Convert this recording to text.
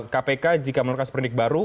kpk jika melakukan seperindik baru